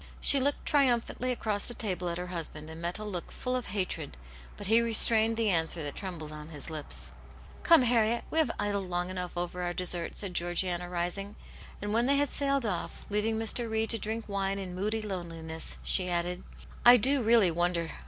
*' She looked triumphantly across the table at her husband, and met a look full of hatred, but he re strained the answer that trembled on his lips. " Come, Harriet, we have idled long enough over our dessert," said Georgiana, rising. And when they had sailed off, leaving Mr. Reed to drink wine in /woody loneliness, she added, "I do really wonder.